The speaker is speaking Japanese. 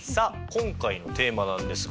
今回のテーマなんですが。